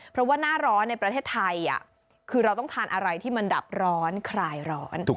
เพราะว่าหน้าร้อนในประเทศไทยคือเราต้องทานอะไรที่มันดับร้อนคลายร้อน